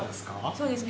そうですね。